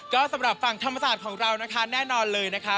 ก็สำหรับฝั่งธรรมศาสตร์ของเรานะคะแน่นอนเลยนะคะ